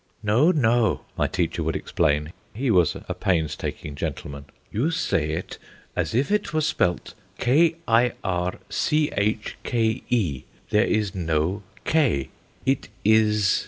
"No, no," my teacher would explain he was a painstaking gentleman; "you say it as if it were spelt K i r c h k e. There is no k. It is